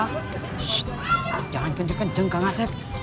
shh jangan kenceng kenceng kang atseng